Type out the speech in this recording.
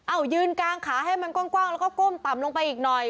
เอายืนกางขาให้มันกว้างแล้วก็ก้มต่ำลงไปอีกหน่อย